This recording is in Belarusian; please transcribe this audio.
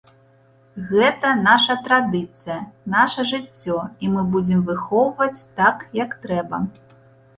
Гэта наша традыцыя, наша жыццё, і мы будзем выхоўваць так, як трэба.